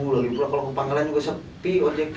lalu pula kalau gue panggalan juga sepi